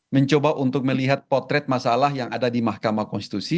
mencoba untuk melihat potret masalah yang ada di mahkamah konstitusi